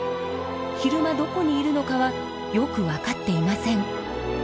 昼間どこにいるのかはよく分かっていません。